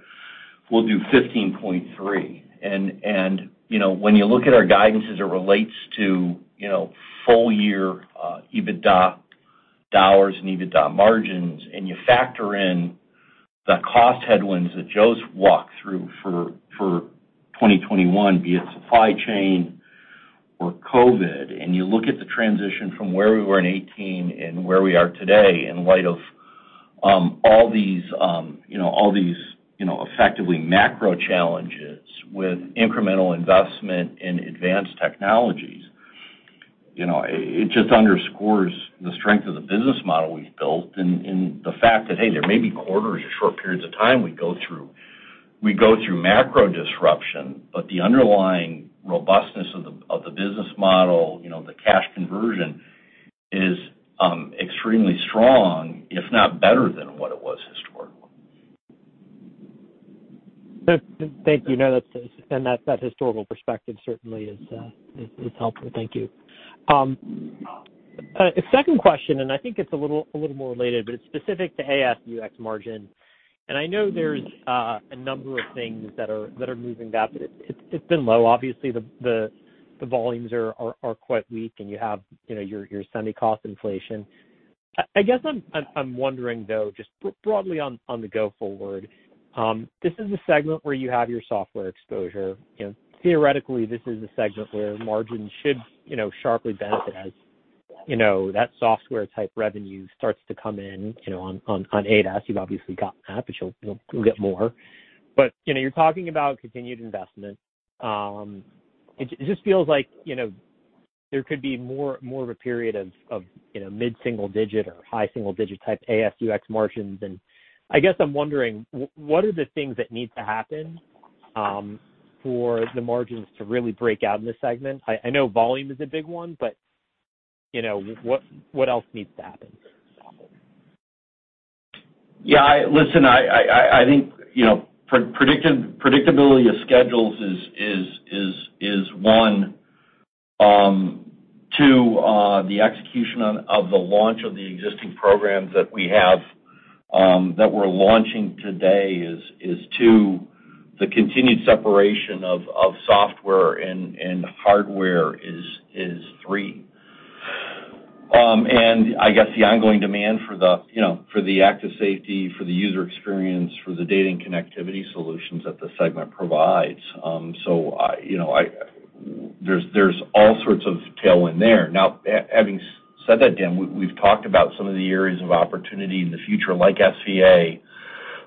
we'll do $15.3 billion. You know, when you look at our guidance as it relates to, you know, full year EBITDA dollars and EBITDA margins, and you factor in the cost headwinds that Joe's walked through for 2021, be it supply chain or COVID, and you look at the transition from where we were in 2018 and where we are today in light of all these, you know, effectively macro challenges with incremental investment in advanced technologies. You know, it just underscores the strength of the business model we've built and the fact that, hey, there may be quarters or short periods of time we go through macro disruption, but the underlying robustness of the business model, you know, the cash conversion is extremely strong, if not better than what it was historically. Thank you. No, that's that historical perspective certainly is helpful. Thank you. A second question, and I think it's a little more related, but it's specific to ASUX margin. I know there's a number of things that are moving that. It's been low. Obviously, the volumes are quite weak and you have, you know, your semi cost inflation. I guess I'm wondering though, just broadly on the going forward, this is a segment where you have your software exposure. You know, theoretically this is a segment where margins should, you know, sharply benefit as, you know, that software type revenue starts to come in, you know, on ADAS. You've obviously gotten that, but you'll get more. You know, you're talking about continued investment. It just feels like, you know, there could be more of a period of, you know, mid-single digit or high single digit type ASUX margins. I guess I'm wondering what are the things that need to happen for the margins to really break out in this segment? I know volume is a big one, but, you know, what else needs to happen? Yeah, listen, I think, you know, predictability of schedules is one. Two, the execution of the launch of the existing programs that we have that we're launching today is two. The continued separation of software and hardware is three. I guess the ongoing demand for the, you know, for the Active Safety, for the User Experience, for the data and connectivity solutions that the segment provides. So, you know, there's all sorts of tailwind there. Now, having said that, Dan, we've talked about some of the areas of opportunity in the future, like SVA,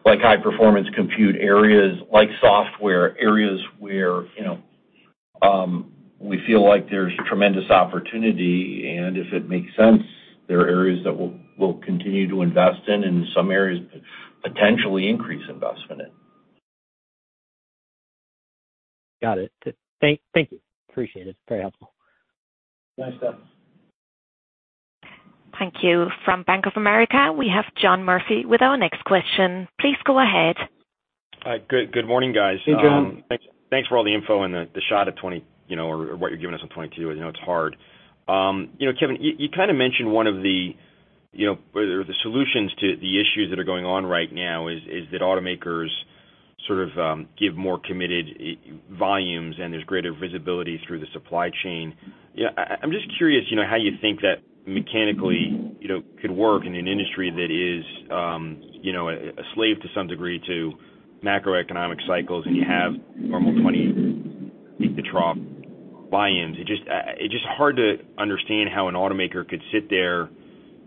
like high performance compute areas, like software areas where, you know, we feel like there's tremendous opportunity and if it makes sense, there are areas that we'll continue to invest in and some areas potentially increase investment in. Got it. Thank you. Appreciate it. Very helpful. Thanks, Dan. Thank you. From Bank of America, we have John Murphy with our next question. Please go ahead. Hi. Good morning, guys. Hey, John. Thanks for all the info and the shot at 20, you know, or what you're giving us on 22. I know it's hard. You know, Kevin, you kind of mentioned one of the solutions to the issues that are going on right now is that automakers sort of give more committed volumes and there's greater visibility through the supply chain. You know, I'm just curious, you know, how you think that mechanically could work in an industry that is a slave to some degree to macroeconomic cycles and you have normal 20, I think the trough. volumes. It just, it's just hard to understand how an automaker could sit there,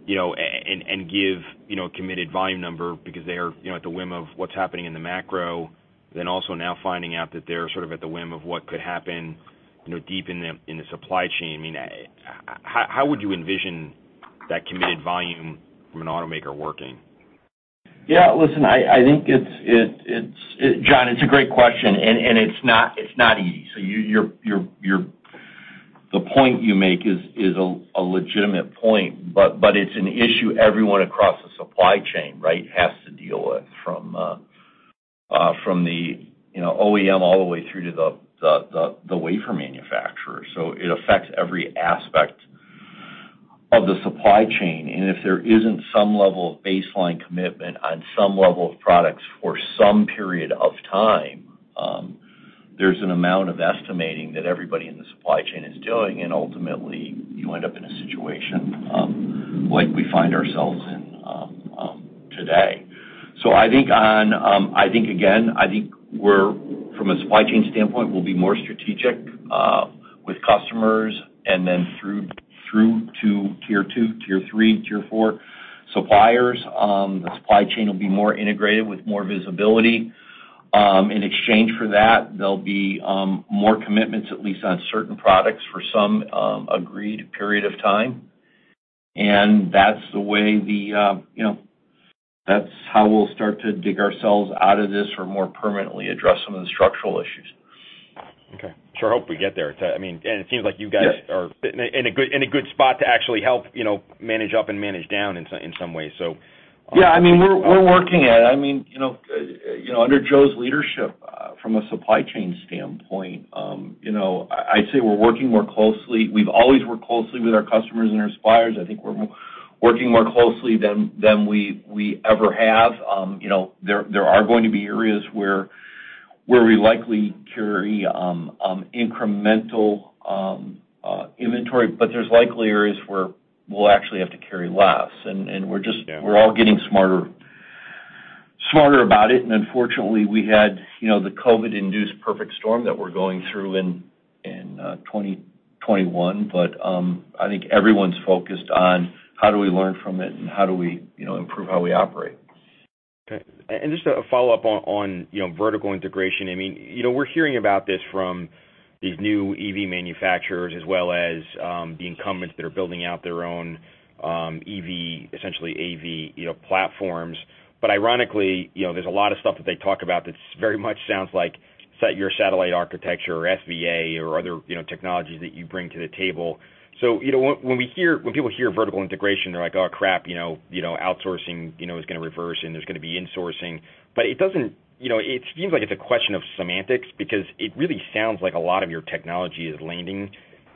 you know, and give, you know, a committed volume number because they are, you know, at the whim of what's happening in the macro. Then also now finding out that they're sort of at the whim of what could happen, you know, deep in the supply chain. I mean, how would you envision that committed volume from an automaker working? Yeah. Listen, John, it's a great question, and it's not easy. The point you make is a legitimate point, but it's an issue everyone across the supply chain, right, has to deal with from the, you know, OEM all the way through to the wafer manufacturer. It affects every aspect of the supply chain. If there isn't some level of baseline commitment on some level of products for some period of time, there's an amount of estimating that everybody in the supply chain is doing, and ultimately you end up in a situation like we find ourselves in today. I think on... I think we're from a supply chain standpoint, we'll be more strategic with customers and then through to tier two, tier three, tier four suppliers. The supply chain will be more integrated with more visibility. In exchange for that, there'll be more commitments, at least on certain products for some agreed period of time. That's the way we'll start to dig ourselves out of this or more permanently address some of the structural issues. Okay. Sure hope we get there. I mean, it seems like you guys- Yes are in a good spot to actually help, you know, manage up and manage down in some way. Yeah. I mean, we're working at it. I mean, you know, under Joe's leadership, from a supply chain standpoint, you know, I'd say we're working more closely. We've always worked closely with our customers and our suppliers. I think we're working more closely than we ever have. You know, there are going to be areas where we likely carry incremental inventory, but there's likely areas where we'll actually have to carry less. We're just. Yeah We're all getting smarter about it. Unfortunately, we had, you know, the COVID-19-induced perfect storm that we're going through in 2021. I think everyone's focused on how do we learn from it, and how do we, you know, improve how we operate. Okay. Just a follow-up on vertical integration. I mean, you know, we're hearing about this from these new EV manufacturers as well as the incumbents that are building out their own EV, essentially AV platforms. Ironically, you know, there's a lot of stuff that they talk about that's very much sounds like SVA or zonal architecture or other technologies that you bring to the table. You know, when people hear vertical integration, they're like, "Oh, crap, you know, outsourcing is gonna reverse and there's gonna be insourcing." It doesn't. You know, it seems like it's a question of semantics because it really sounds like a lot of your technology is landing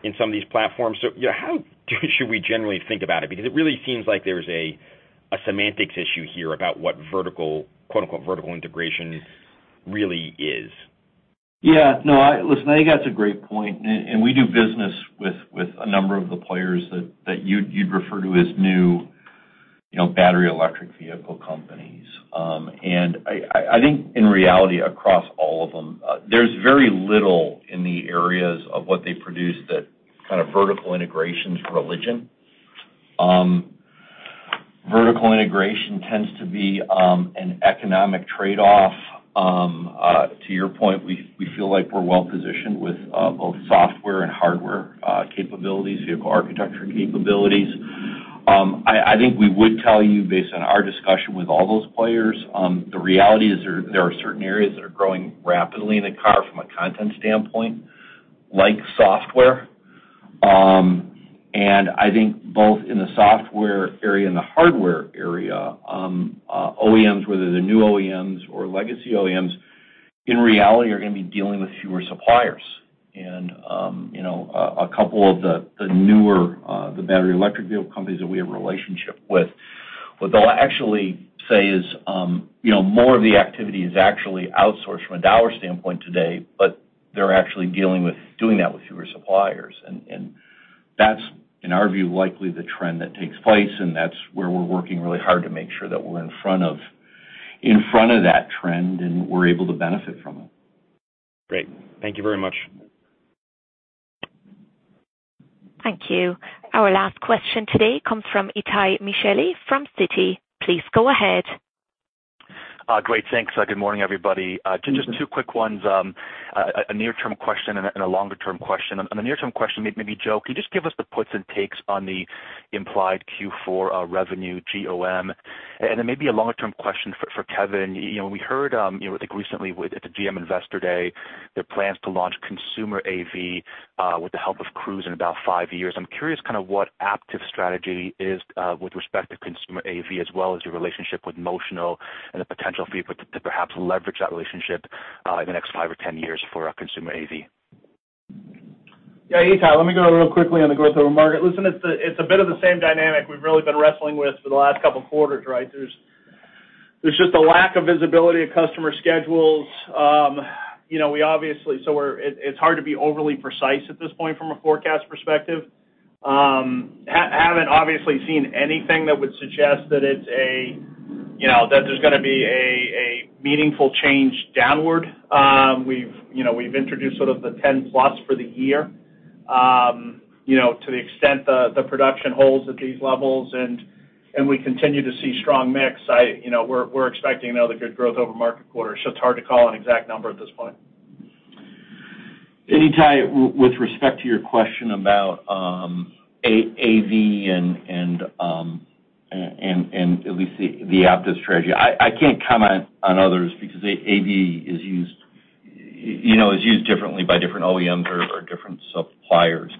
in some of these platforms. You know, how should we generally think about it? Because it really seems like there's a semantic issue here about what vertical, quote unquote, "vertical integration" really is. Yeah. No, listen, I think that's a great point. We do business with a number of the players that you'd refer to as new, you know, battery electric vehicle companies. I think in reality, across all of them, there's very little in the areas of what they produce that kind of vertical integration is religion. Vertical integration tends to be an economic trade-off. To your point, we feel like we're well-positioned with both software and hardware capabilities, vehicle architecture capabilities. I think we would tell you based on our discussion with all those players, the reality is there are certain areas that are growing rapidly in the car from a content standpoint, like software. I think both in the software area and the hardware area, OEMs, whether they're new OEMs or legacy OEMs, in reality are gonna be dealing with fewer suppliers. A couple of the newer battery electric vehicle companies that we have a relationship with, what they'll actually say is, you know, more of the activity is actually outsourced from a dollar standpoint today, but they're actually dealing with doing that with fewer suppliers. That's, in our view, likely the trend that takes place, and that's where we're working really hard to make sure that we're in front of that trend, and we're able to benefit from it. Great. Thank you very much. Thank you. Our last question today comes from Itay Michaeli from Citi. Please go ahead. Great. Thanks. Good morning, everybody. Mm-hmm. Just two quick ones. A near-term question and a longer term question. On the near-term question, maybe Joe, can you just give us the puts and takes on the implied Q4 revenue GOM? Maybe a longer term question for Kevin. You know, we heard, you know, I think recently at the GM Investor Day, their plans to launch consumer AV with the help of Cruise in about 5 years. I'm curious kinda what Aptiv's strategy is with respect to consumer AV as well as your relationship with Motional and the potential for you to perhaps leverage that relationship in the next 5 or 10 years for consumer AV. Yeah. Itay, let me go real quickly on the growth of a market. Listen, it's a bit of the same dynamic we've really been wrestling with for the last couple of quarters, right? There's just a lack of visibility of customer schedules. You know, we obviously haven't seen anything that would suggest that it's, you know, that there's gonna be a meaningful change downward. You know, we've introduced sort of the 10+ for the year. You know, to the extent the production holds at these levels, and we continue to see strong mix, you know, we're expecting another good growth over market quarter, so it's hard to call an exact number at this point. Itay Michaeli, with respect to your question about AV and at least the Aptiv strategy, I can't comment on others because AV is used, you know, is used differently by different OEMs or different suppliers.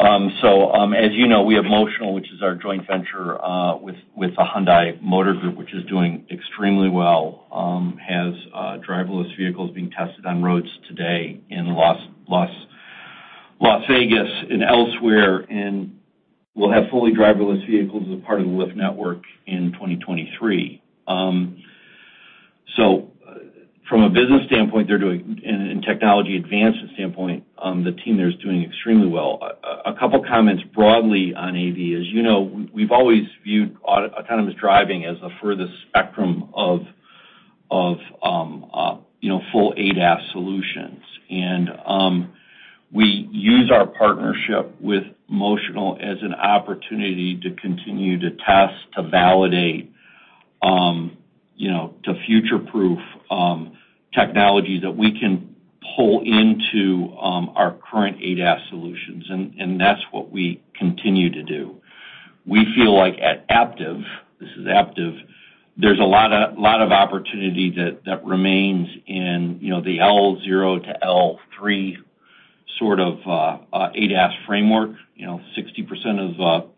As you know, we have Motional, which is our joint venture with the Hyundai Motor Group, which is doing extremely well, has driverless vehicles being tested on roads today in Las Vegas and elsewhere, and we'll have fully driverless vehicles as a part of the Lyft network in 2023. From a business standpoint, they're doing and technology advancement standpoint, the team there is doing extremely well. A couple comments broadly on AV. As you know, we've always viewed autonomous driving as the furthest spectrum of you know, full ADAS solutions. We use our partnership with Motional as an opportunity to continue to test, to validate, you know, to future-proof, technologies that we can pull into our current ADAS solutions and that's what we continue to do. We feel like at Aptiv, this is Aptiv, there's a lot of opportunity that remains in, you know, the L zero to L three sort of ADAS framework. You know,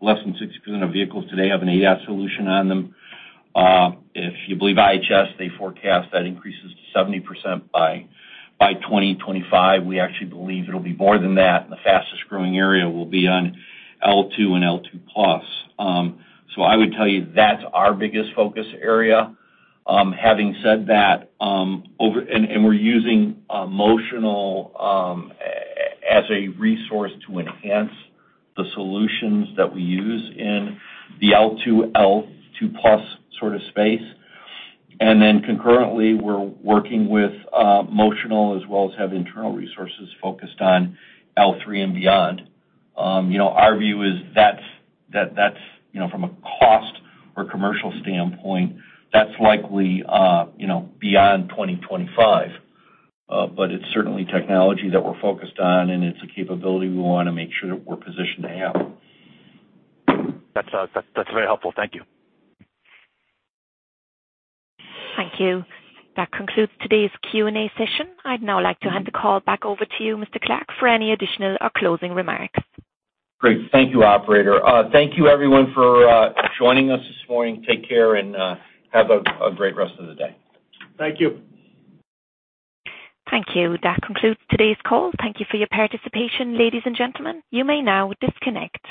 less than 60% of vehicles today have an ADAS solution on them. If you believe IHS, they forecast that increases to 70% by 2025. We actually believe it'll be more than that, and the fastest growing area will be on L two and L two+. I would tell you that's our biggest focus area. Having said that, over... We're using Motional as a resource to enhance the solutions that we use in the L2+ sort of space. Concurrently, we're working with Motional as well as have internal resources focused on L3 and beyond. You know, our view is that that's you know, from a cost or commercial standpoint, that's likely beyond 2025. It's certainly technology that we're focused on, and it's a capability we wanna make sure that we're positioned to have. That's very helpful. Thank you. Thank you. That concludes today's Q&A session. I'd now like to hand the call back over to you, Mr. Clark, for any additional or closing remarks. Great. Thank you, operator. Thank you everyone for joining us this morning. Take care and have a great rest of the day. Thank you. Thank you. That concludes today's call. Thank you for your participation, ladies and gentlemen. You may now disconnect.